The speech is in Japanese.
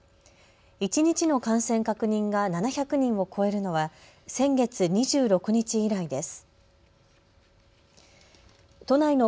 一日の感染確認が７００人を超えるのは先月２６日以来です。